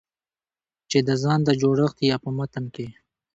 چې د ځان د جوړښت يا په متن کې